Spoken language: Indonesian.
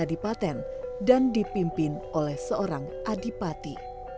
yang dipimpin oleh adipaten dan dipimpin oleh seorang adipati